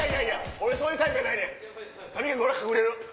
俺そういうタイプやないねんとにかく俺は隠れる。